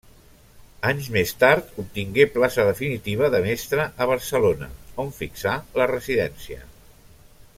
Anys més tard obtingué plaça definitiva de mestre a Barcelona on fixà la residència.